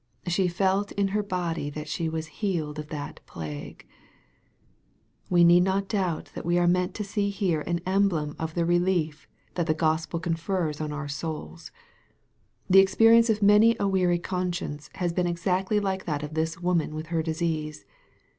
" She felt in her body that she was healed of that plague." We need not doubt that we are meant to see here an emblem of the relief that the Gospel confers on souls. The experience of many a weary conscience has been exactly like that of this woman with her disease.